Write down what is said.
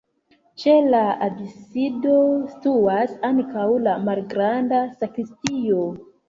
Ĉe la absido situas ankaŭ la malgranda sakristio.